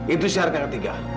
itu syarat yang ketiga